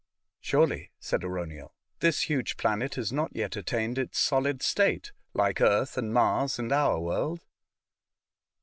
*' Surely," said Arauniel, " this huge planet has not yet attained its solid state, like Earth and Mars and our world."